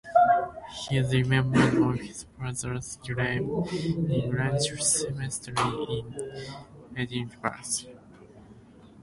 He is remembered on his father's grave in Grange Cemetery in Edinburgh.